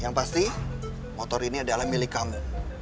yang pasti motor ini adalah milik kamu